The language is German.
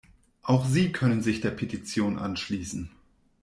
Auch Sie können sich der Petition anschließen.